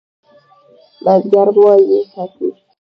بزگر غواوې ساتي.